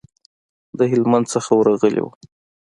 د هلمند څخه ورغلي وو.